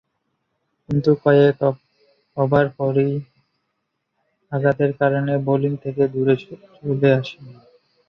কিন্তু কয়েক ওভার পরই আঘাতের কারণে বোলিং থেকে দূরে চলে আসেন।